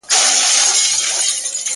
خلک روڼي اوږدې شپې کړي د غوټۍ په تمه تمه!.